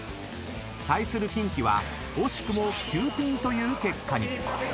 ［対するキンキは惜しくも９ピンという結果に］